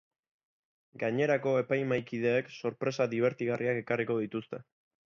Gainerako epaimahaikideek sorpresa dibertigarriak ekarriko dituzte.